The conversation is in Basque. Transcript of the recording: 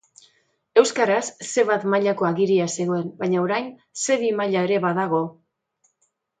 Euskaraz C bat mailako agiria zegoen baina orain C bi maila ere badago.